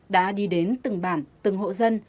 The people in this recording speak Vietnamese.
đã đi đến từng bản từng hộ dân